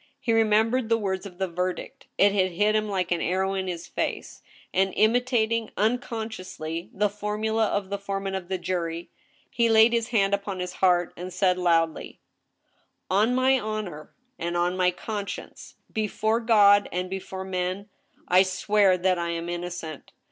He remembered the words of the verdict ; it had hit him like an arrow in his face, and imitating, unconsciously, the formula of the foreman of the jury, he laid his hand upon his heart and said loudly :" On my honor and my conscience, befote God and before men I swear that I am innocent.